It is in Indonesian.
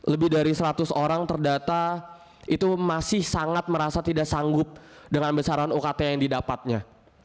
lebih dari seratus orang terdata itu masih sangat merasa tidak sanggup dengan besaran ukt yang didapatnya